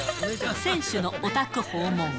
選手のお宅訪問。